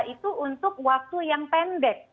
itu untuk waktu yang pendek